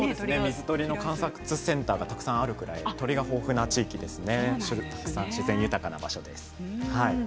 水鳥の観察センターがあるくらい水鳥の豊富な地域ですね。